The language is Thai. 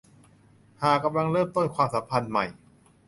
หากกำลังเริ่มต้นความสัมพันธ์ใหม่